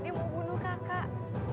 dia mau bunuh kakak